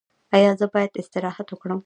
ایا زه باید استراحت وکړم؟